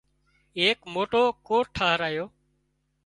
ايڪ موٽو ڪوٽ ٽاهرايو